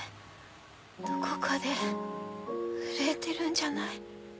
どこかで震えてるんじゃない？